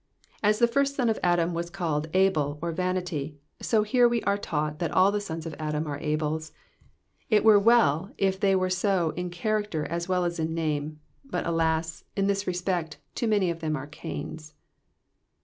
As the first son of Adam was called Abel or vanity, so here wc are taught that all the sons of Adam are Abels : it were well if they were all so in character as well as in name ; but alas ! in this respect, too many of them are Cains.